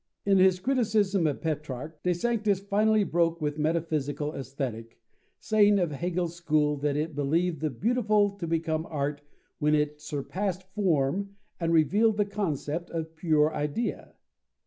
In his criticism of Petrarch, De Sanctis finally broke with metaphysical Aesthetic, saying of Hegel's school that it believed the beautiful to become art when it surpassed form and revealed the concept or pure idea.